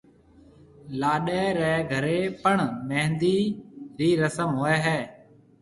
لاڏِي رَي گھرَي پڻ مھندِي رِي رسم ھوئيَ ھيََََ